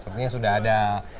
sepertinya sudah ada